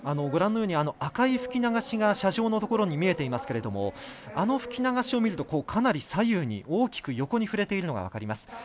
赤い吹き流しが射場のところに見えていますけれどもあの吹き流しを見るとかなり左右に横に大きく振れているのが分かります。